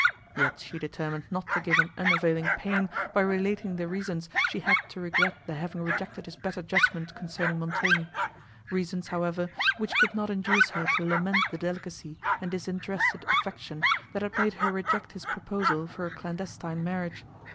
Yet she determined not to give him unavailing pain by relating the reasons she had to regret the having rejected his better judgment concerning Montoni; reasons, however, which could not induce her to lament the delicacy and disinterested affection that had made her reject his proposal for a clandestine marriage.